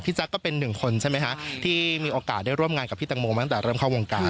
แจ๊คก็เป็นหนึ่งคนใช่ไหมคะที่มีโอกาสได้ร่วมงานกับพี่ตังโมมาตั้งแต่เริ่มเข้าวงการ